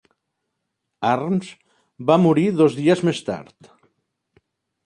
Harms va morir dos dies més tard.